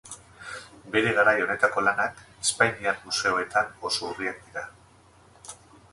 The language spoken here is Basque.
Bere garai honetako lanak, espainiar museoetan oso urriak dira.